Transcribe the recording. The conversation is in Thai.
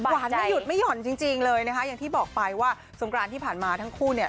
ไม่หยุดไม่ห่อนจริงเลยนะคะอย่างที่บอกไปว่าสงกรานที่ผ่านมาทั้งคู่เนี่ย